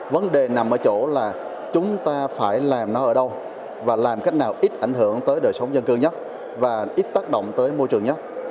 vấn đề nằm ở chỗ là chúng ta phải làm nó ở đâu và làm cách nào ít ảnh hưởng tới đời sống dân cư nhất và ít tác động tới môi trường nhất